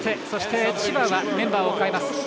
そして、千葉はメンバーを代えます。